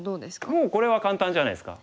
もうこれは簡単じゃないですか。